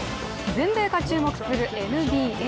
全米が注目するＮＢＡ。